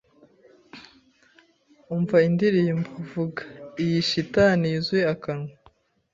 umva indirimbo, vuga, "Iyi shitani yuzuye akanwa